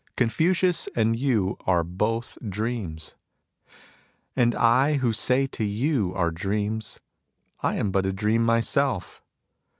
Confucius and you are both dreams ; and I who say you are dreams, — I am but a dream myself.